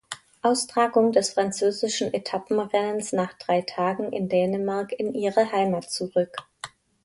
Austragung des französischen Etappenrennens nach drei Tagen in Dänemark in ihre Heimat zurück.